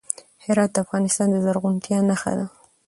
هرات د افغانستان د زرغونتیا نښه ده.